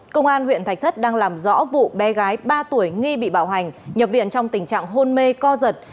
công an huyện thạch thất đang làm rõ vụ bé gái ba tuổi nghi bị bảo hành nhập viện trong tình trạng hôn mê co giật